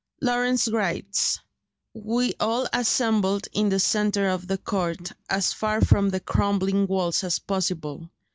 Lawrence writes: "We all assembled in the centre of the court, as far from the crumbling walls as possible